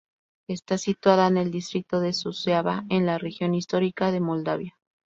Está situada en el distrito de Suceava, en la región histórica de Moldavia.